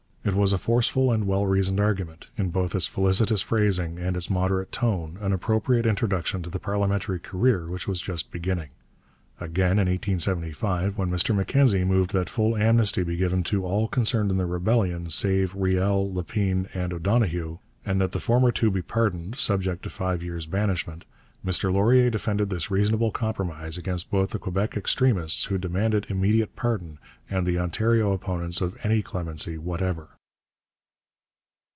It was a forceful and well reasoned argument, in both its felicitous phrasing and its moderate tone an appropriate introduction to the parliamentary career which was just beginning. Again in 1875, when Mr Mackenzie moved that full amnesty be given to all concerned in the rebellion save Riel, Lepine, and O'Donoghue, and that the former two be pardoned, subject to five years' banishment, Mr Laurier defended this reasonable compromise against both the Quebec extremists who demanded immediate pardon and the Ontario opponents of any clemency whatever.